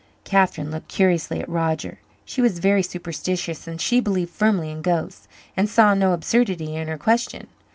Catherine looked curiously at Roger. She was very superstitious and she believed firmly in ghosts, and saw no absurdity in her question.